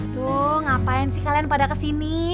tuh ngapain sih kalian pada kesini